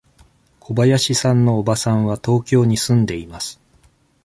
小林さんのおばさんは東京に住んでいます。